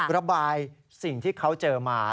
ระบายสิ่งที่เขาเจอมา